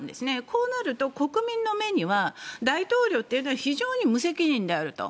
こうなると国民の目には大統領というのは非常に無責任であると。